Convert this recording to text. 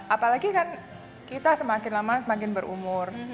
apalagi kan kita semakin lama semakin berumur